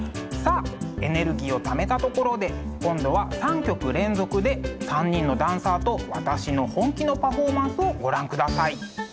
さあエネルギーをためたところで今度は３曲連続で３人のダンサーと私の本気のパフォーマンスをご覧ください。